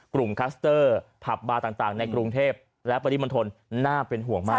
กลุ่มด์คลัสเตอร์ผับบาร์ต่างในกรุงเทพฯและประดิบันทนหน้าเป็นห่วงมาก